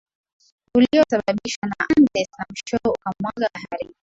uliosababishwa na Andes na mwishowe ukamwaga baharini